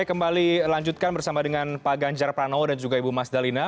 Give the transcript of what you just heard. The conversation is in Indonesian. kita kembali lanjutkan bersama dengan pak ganjar pranowo dan juga ibu mas dalina